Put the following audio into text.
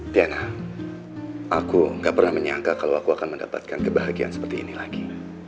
tiana aku gak pernah menyangka kalau aku akan mendapatkan kebahagiaan seperti ini lagi